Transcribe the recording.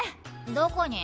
どこに？